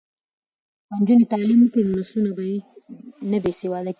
که نجونې تعلیم وکړي نو نسلونه نه بې سواده کیږي.